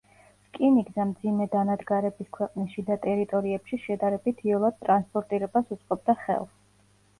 რკინიგზა მძიმე დანადგარების ქვეყნის შიდა ტერიტორიებში შედარებით იოლად ტრანსპორტირებას უწყობდა ხელს.